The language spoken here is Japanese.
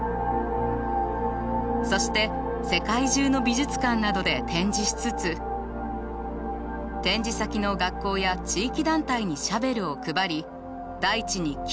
そして世界中の美術館などで展示しつつ展示先の学校や地域団体にシャベルを配り大地に木を植えることを勧めてきました。